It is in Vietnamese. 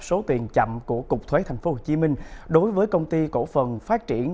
số tiền chậm của cục thuế tp hcm đối với công ty cổ phần phát triển